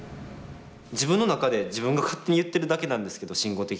自分の中で自分が勝手に言ってるだけなんですけど慎吾的には。